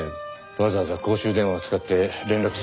わざわざ公衆電話を使って連絡する相手って。